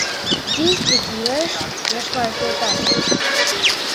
Действий кӱлеш, Яшпаев йолташ!